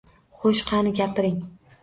Xo’sh, qani, gapiring